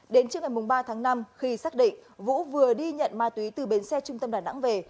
đến trước ngày ba tháng năm khi xác định vũ vừa đi nhận ma túy từ bến xe trung tâm đà nẵng về